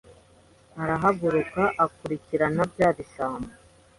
Arahaguruka akurikirana bya bisambo